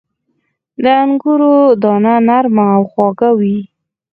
• د انګورو دانه نرمه او خواږه وي.